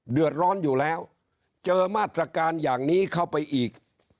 เดือดร้อนอยู่แล้วเจอมาตรการอย่างนี้เข้าไปอีก